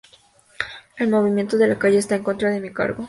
El movimiento de la calle está en contra de mi cargo.